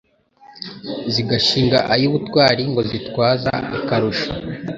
Zigashinga ay'ubutwari Ngo zitwaza akarusho.